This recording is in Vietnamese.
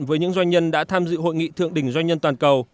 với những doanh nhân đã tham dự hội nghị thượng đỉnh doanh nhân toàn cầu